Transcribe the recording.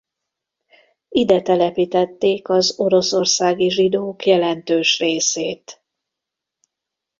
Ide telepítették az oroszországi zsidók jelentős részét.